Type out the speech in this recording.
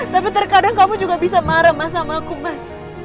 tapi terkadang kamu juga bisa marah mas sama aku mas